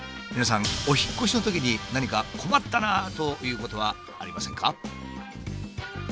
皆さんお引っ越しのときに何か困ったなあということはありませんか？